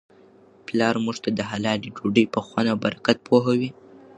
پلارموږ ته د حلالې ډوډی په خوند او برکت پوهوي.